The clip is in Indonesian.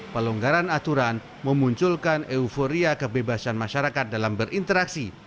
pelonggaran aturan memunculkan euforia kebebasan masyarakat dalam berinteraksi